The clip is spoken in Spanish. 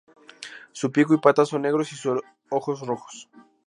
Su pico y patas son negros y sus ojos rojos.